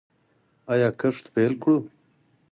آیا کښت پیل کړو؟